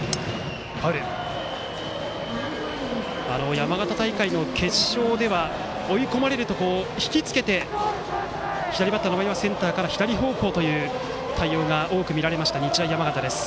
山形大会の決勝では追い込まれると、ひきつけて左バッターの場合はセンターから左方向という対応が多く見られた日大山形です。